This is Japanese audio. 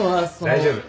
大丈夫。